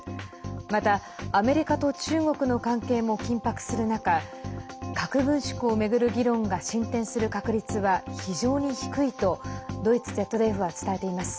また、アメリカと中国の関係も緊迫する中核軍縮を巡る議論が進展する確率は非常に低いとドイツＺＤＦは伝えています。